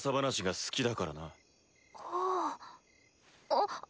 あっ。